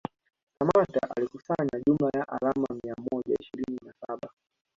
Samatta alikusanya jumla ya alama mia moja ishirini na saba